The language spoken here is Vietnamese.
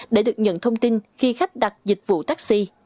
để được nhận thông tin khi khách đặt dịch vụ taxi